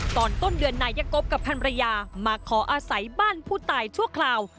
ตอนต้นเดือนนายกบกับพันรยามาขออาศัยบ้านผู้ตายชั่วคราว